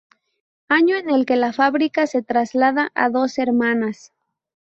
Año en el que la fábrica se traslada a Dos Hermanas.